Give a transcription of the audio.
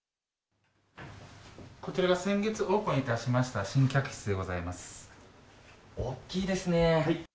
こちらが先月オープンいたし大きいですね。